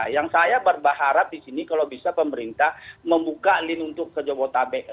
yang saya berbaharat di sini kalau bisa pemerintah membuka lini untuk ke jabodetabek